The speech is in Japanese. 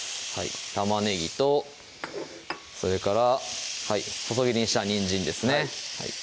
玉ねぎとそれから細切りにしたにんじんですね